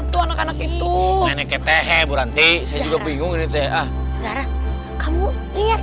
tuh anak anak itu ngekep tehe buranti saya juga bingung ini teh kamu lihat